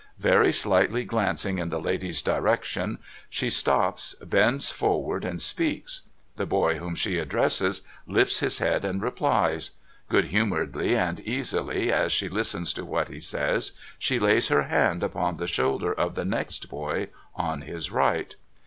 Very slightly glancing in the lady's direction, she stops, bends forward, and speaks. The boy whom she addresses, lifts his head and replies. Good humouredly and easily, as she listens to what he says, she lays her hand upon the shoulder of the next boy on his right.